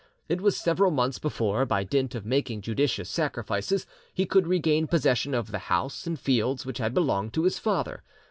It was several months before, by dint of making judicious sacrifices, he could regain possession of the house and fields which had belonged to his father.